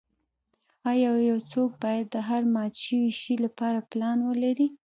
ایا یو څوک باید د هر مات شوي شی لپاره پلان ولري